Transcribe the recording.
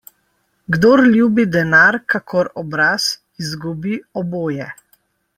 Kdor ljubi denar kakor obraz, izgubi oboje.